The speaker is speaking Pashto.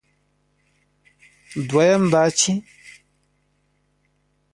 دویم دا چې